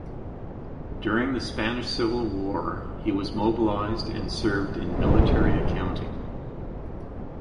During the Spanish civil war he was mobilised and served in military accounting.